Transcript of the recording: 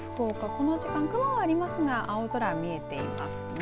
この時間雲はありますが青空見えていますね。